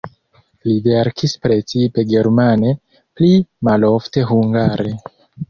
Li verkis precipe germane, pli malofte hungare.